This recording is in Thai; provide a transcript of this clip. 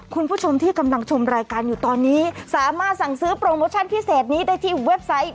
คุณผู้ชมที่กำลังชมรายการอยู่ตอนนี้สามารถสั่งซื้อโปรโมชั่นพิเศษนี้ได้ที่เว็บไซต์